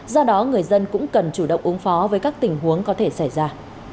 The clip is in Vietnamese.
do đó người dân cũng cần chủ động ứng phó với các tình huống có thể xảy ra